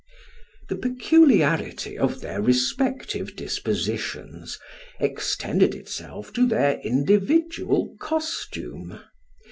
The peculiarity of their respective dispositions, extended itself to their individual costume.